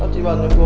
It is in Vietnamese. chị bật nhầm số